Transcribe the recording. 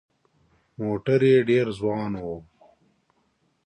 موټر یې ډېر ځوان و.